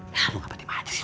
ya lu ngedip aja sih